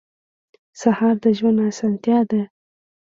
سهار د ژوند اسانتیا ده.